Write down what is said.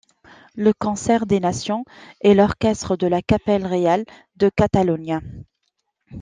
Le Concert des Nations est l'orchestre de La Capella Reial de Catalunya.